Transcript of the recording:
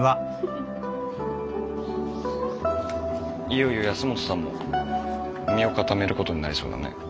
いよいよ保本さんも身を固める事になりそうだね。